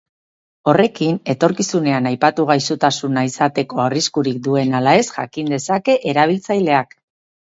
Horrekin, etorkizunean aipatu gaixotasuna izateko arriskurik duen ala ez jakin dezake erabiltzaileak.